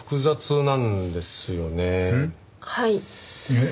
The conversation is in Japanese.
えっ？